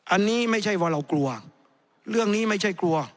อันนี้ไม่ใช่ว่าเรากลัวเรื่องนี้ไม่ใช่กลัว